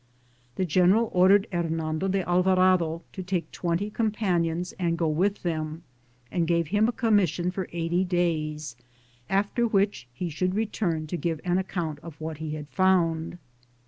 The general ordered Hernando de Alvarado to take 20 compan ions and go with them, and gave him a commission for eighty days, after which he should return to give an account of what he had found.